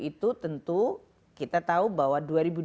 itu tentu kita tahu bahwa dua ribu dua puluh